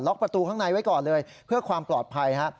็ประตูข้างในไว้ก่อนเลยเพื่อความปลอดภัยฮะ